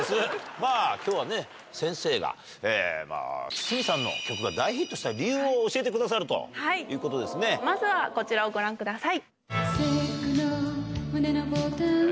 まあ、きょうはね、先生が筒美さんの曲が大ヒットした理由を教えてくださるというこはい、まずはこちらをご覧ください。